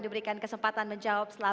terima kasih pertanyaannya